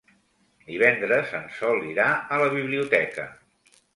Divendres en Sol irà a la biblioteca.